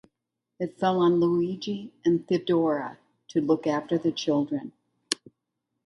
It fell on Luigi and Teodora to look after the children.